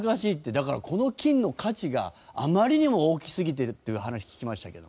だからこの金の価値があまりにも大きすぎてるっていう話聞きましたけど。